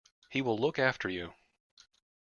He will look after you.